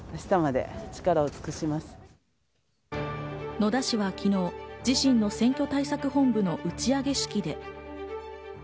野田氏は昨日、自身の選挙対策本部の打ち上げ式で。